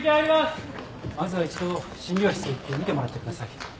まずは一度診療室へ行って診てもらってください。